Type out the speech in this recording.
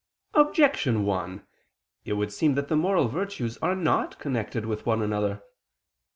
Objection 1: It would seem that the moral virtues are not connected with one another.